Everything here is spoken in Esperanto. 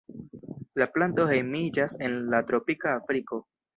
La planto hejmiĝas en la tropika Afriko.